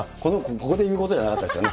ここで言うことじゃなかったですよね。